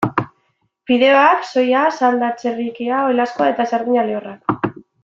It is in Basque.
Fideoak, soia salda, txerrikia, oilaskoa eta sardina lehorrak.